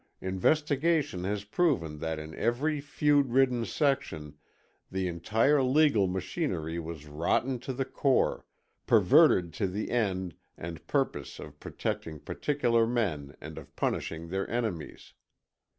Investigation has proven that in every feud ridden section the entire legal machinery was rotten to the core, perverted to the end and purpose of protecting particular men and of punishing their enemies.